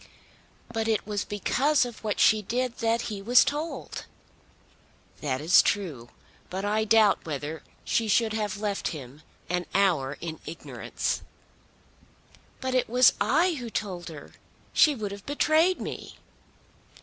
"But it was because of what she did that he was told." "That is true; but I doubt whether she should have left him an hour in ignorance." "But it was I who told her. She would have betrayed me."